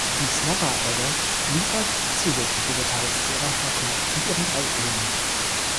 Die Snorra-Edda liefert zusätzliche Details zu ihrer Herkunft und ihren drei Ehen.